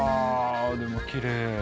でもきれい。